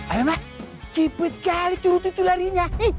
aduh cepet kali curut itu larinya